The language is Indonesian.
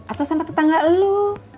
atau sama tetangga lo